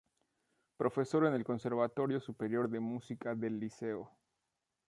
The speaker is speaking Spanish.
Profesor en el Conservatorio Superior de Música del Liceo.